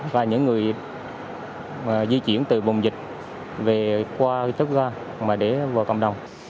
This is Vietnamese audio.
và những người di chuyển từ vùng dịch về qua chốt ga để vào cộng đồng